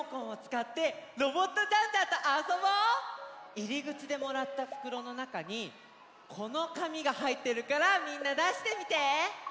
いりぐちでもらったふくろのなかにこのかみがはいってるからみんなだしてみて！